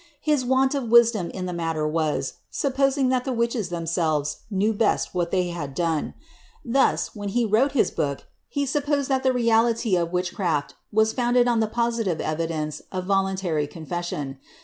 His want of wisdom in the matter was, supposing that the witches themselves knew best what they had done. Thus, when he wrote his book, he supposed that the reality of witchcraft was founded on the positive evi dence of voluntary confession.